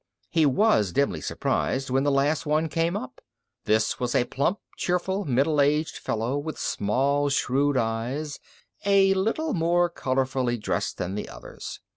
He was dimly surprised when the last one came up. This was a plump, cheerful, middle aged fellow with small shrewd eyes, a little more colorfully dressed than the others.